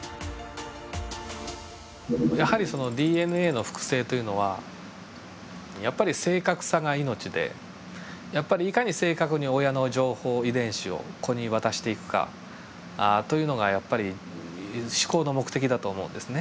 やはりそのＤＮＡの複製というのはやっぱり正確さが命でやっぱりいかに正確に親の情報遺伝子を子に渡していくかというのがやっぱり至高の目的だと思うんですね。